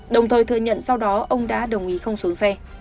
đồng thời thừa nhận sau đó ông đã đồng ý không xuống xe